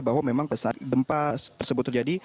bahwa memang saat gempa tersebut terjadi